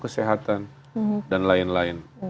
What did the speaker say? kesehatan dan lain lain